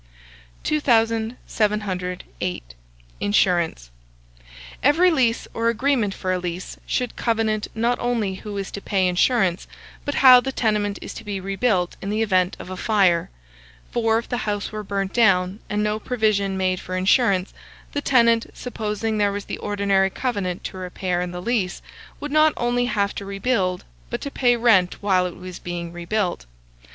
2708. INSURANCE. Every lease, or agreement for a lease, should covenant not only who is to pay insurance, but how the tenement is to be rebuilt in the event of a fire; for if the house were burnt down, and no provision made for insurance, the tenant, supposing there was the ordinary covenant to repair in the lease, would not only have to rebuild, but to pay rent while it was being rebuilt.